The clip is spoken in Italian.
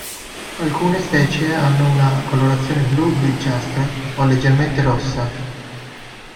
Alcune specie hanno una colorazione blu-grigiastra o leggermente rossa.